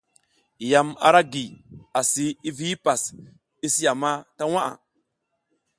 Yam ara gi, asi, hi vi hipas i si yama ta waʼa.